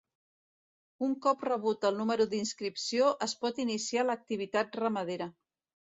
Un cop rebut el número d'inscripció es pot iniciar l'activitat ramadera.